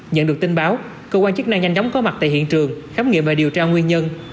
nhận được tin báo cơ quan chức năng nhanh chóng có mặt tại hiện trường khám nghiệm và điều tra nguyên nhân